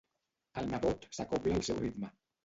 El nebot s'acobla al seu ritme.